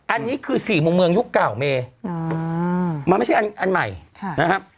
อันนี้คือสี่มุมเมืองยุคเก่าเมมันไม่ใช่อันใหม่นะครับ